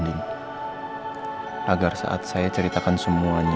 hai agar saat saya ceritakan semuanya